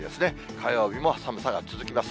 火曜日も寒さが続きます。